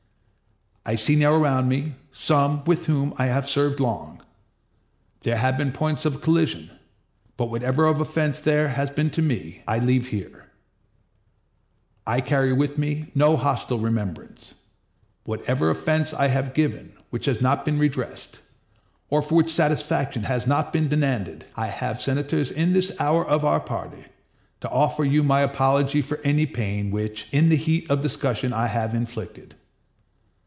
I see now around me some with whom I have served long; there have been points of collision; but whatever of offense there has been to me, I leave here; I carry with me no hostile remembrance. Whatever offense I have given which has not been redressed, or for which satisfaction has not been demanded, I have, senators, in this hour of our parting, to offer you my apology for any pain which, in heat of discussion, I have inflicted.